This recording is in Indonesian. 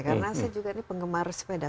karena saya juga ini penggemar sepeda